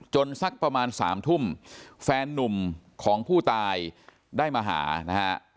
สักประมาณ๓ทุ่มแฟนนุ่มของผู้ตายได้มาหานะฮะ